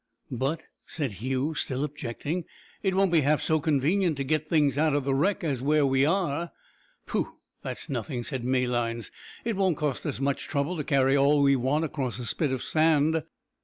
"But," said Hugh, still objecting, "it won't be half so convenient to git things out o' the wreck, as where we are." "Pooh! that's nothing," said Malines. "It won't cost us much trouble to carry all we want across a spit of sand."